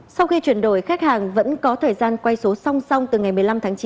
sau khi chuyển đổi khách hàng vẫn có thời gian quay số song song từ ngày một mươi năm tháng chín